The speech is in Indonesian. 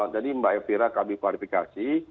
jadi mbak efira kami verifikasi